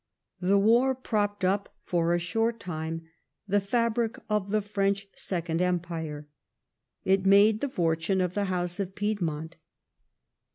The war propped up for a short time the fabric of the French Second Empire. It made the fortune of the House of Piedmont.